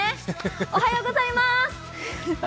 おはようございます。